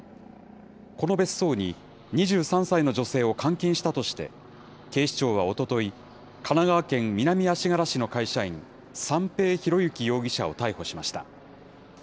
この別荘に２３歳の女性を監禁したとして、警視庁はおととい、神奈川県南足柄市の会社員、三瓶博幸容疑者を逮捕しました。